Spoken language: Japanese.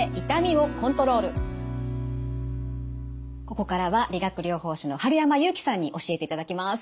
ここからは理学療法士の春山祐樹さんに教えていただきます。